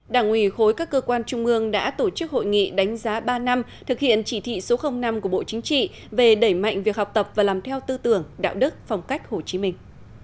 đảng ủy khối các cơ quan trung ương đã tổ chức hội nghị đánh giá ba năm thực hiện chỉ thị số năm của bộ chính trị về đẩy mạnh việc học tập và làm theo tư tưởng đạo đức phong cách hồ chí minh